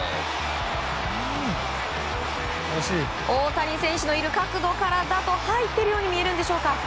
大谷選手のいる角度からだと入っているように見えるんでしょうか。